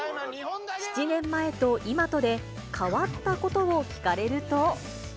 ７年前と今とで変わったことを聞かれると。